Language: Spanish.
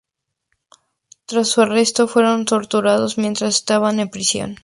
Tras su arresto, fueron torturados mientras estaban en prisión.